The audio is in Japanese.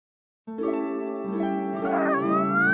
ももも！